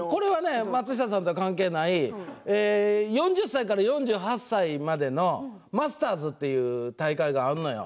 松下さんとは関係ない４０歳から４８歳までのマスターズという大会があんのよ。